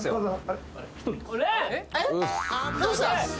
どうした？